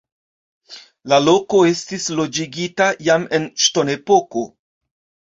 La loko estis loĝigita jam en ŝtonepoko.